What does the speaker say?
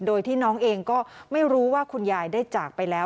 โดยที่น้องเองก็ไม่รู้ว่าคุณยายได้จากไปแล้ว